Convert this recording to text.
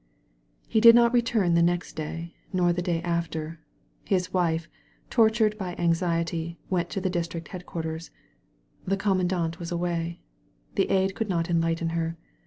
He did not return the next day, nor the day after. His wife, tortured by amdety, went to the district headquarters. The conunandant was away. The aide could not enlighten her.